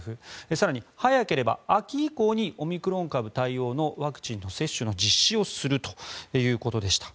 更に、早ければ秋以降にオミクロン株対応のワクチン接種の実施をするということでした。